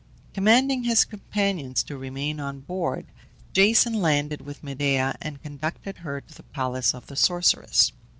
Commanding his companions to remain on board, Jason landed with Medea, and conducted her to the palace of the sorceress.